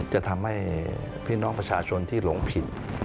จะทำให้พี่น้องประชาชนที่หลงผิด